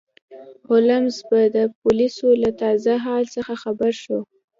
هولمز به د پولیسو له تازه حال څخه خبر شو.